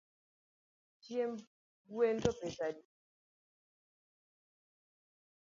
Chiemb gwen to pesa adi?